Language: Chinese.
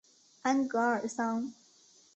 安戈尔桑。